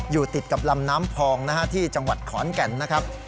อยู่ติดกับลำน้ำพองนะฮะที่จังหวัดขอนแก่นนะครับ